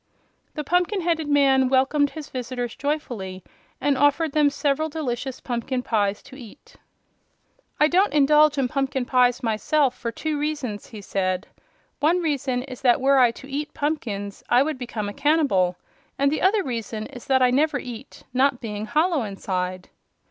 The pumpkin headed man welcomed his visitors joyfully and offered them several delicious pumpkin pies to eat. "I don't indulge in pumpkin pies myself, for two reasons," he said. "One reason is that were I to eat pumpkins I would become a cannibal, and the other reason is that I never eat, not being hollow inside."